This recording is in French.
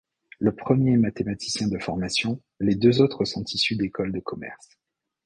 Le premier est mathématicien de formation, les deux autres sont issus d'écoles de commerce.